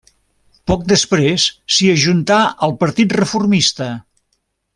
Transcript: Poc després s'hi ajuntà el Partit Reformista.